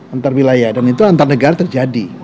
antar wilayah dan itu antar negara terjadi